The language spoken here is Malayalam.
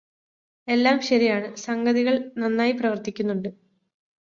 എല്ലാം ശരിയാണ്, സംഗതികള് നന്നായി പ്രവര്ത്തിക്കുന്നുണ്ട്.